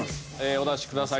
お出しください。